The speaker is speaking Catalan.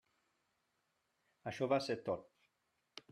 Això va ser tot.